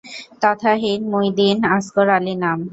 তথা হীন মুই দীন আস্কর আলী নাম